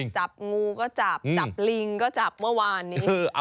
จับงูก็จับจับลิงก็จับเมื่อวานนี้